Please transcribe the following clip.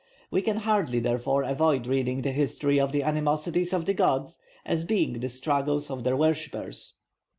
We can hardly therefore avoid reading the history of the animosities of the gods as being the struggles of their worshippers.